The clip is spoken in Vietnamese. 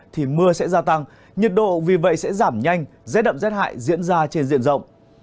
thì mưa sẽ gia tăng nhiệt độ vì vậy sẽ giảm nhanh rét đậm rét hại diễn ra trên diện rộng